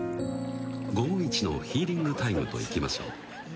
午後一のヒーリングタイムといきましょう。